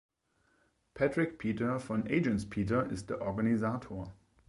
Patrick Peter von Agence Peter ist der Organisator.